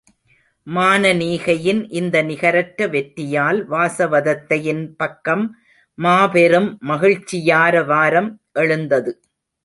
மானனீகையின் இந்த நிகரற்ற வெற்றியால் வாசவதத்தையின் பக்கம் மாபெரும் மகிழ்ச்சி யாரவாரம் எழுந்தது.